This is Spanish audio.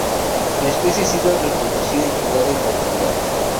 La especie ha sido reproducida y criada en cautividad.